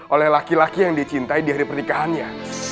oleh laki laki yang dicintai di hari pernikahannya